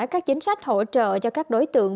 các chính sách hỗ trợ cho các đối tượng